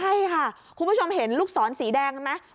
ใช่ค่ะคุณผู้ชมเห็นลูกศรสีแดงไหม